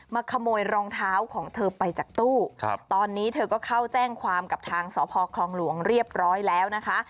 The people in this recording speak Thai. ขโมยรองเท้าของเธอไปจากตู้ตอนนี้เธอก็เข้าแจ้งความกับทางสพคลองหลวงเรียบร้อยแล้วนะคะ